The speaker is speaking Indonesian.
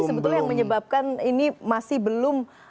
apa sih sebetulnya yang menyebabkan ini masih belum empat puluh tahun